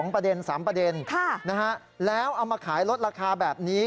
ประเด็น๓ประเด็นแล้วเอามาขายลดราคาแบบนี้